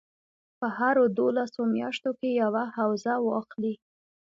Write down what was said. په هرو دولسو میاشتو کې یوه حوزه واخلي.